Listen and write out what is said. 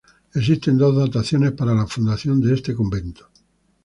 Existen dos dataciones para la fundación de este convento.